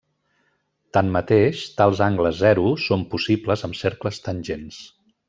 Tanmateix, tals angles zero són possibles amb cercles tangents.